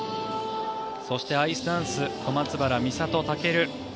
そしてアイスダンス小松原美里・尊